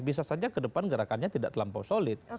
bisa saja kedepan gerakannya tidak terlampau solid